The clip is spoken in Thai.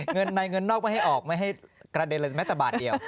เงินในเงินนอกไม่ให้ออกไม่ให้กระเด็นเลยแม้แต่บาทเดียว